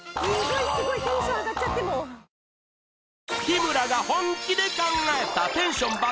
日村が本気で考えたテンション爆